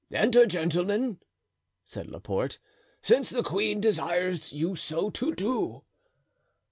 "Enter, gentlemen," said Laporte, "since the queen desires you so to do."